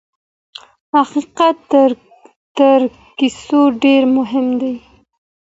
حقیقت تر کیسو ډېر مهم دی.